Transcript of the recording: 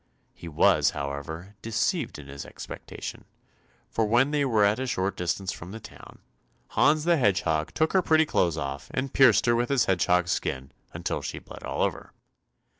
He was however, deceived in his expectation, for when they were at a short distance from the town, Hans the Hedgehog took her pretty clothes off, and pierced her with his hedgehog's skin until she bled all over.